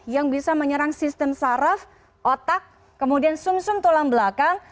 yang bisa menyerang sistem saraf otak kemudian sum sum tulang belakang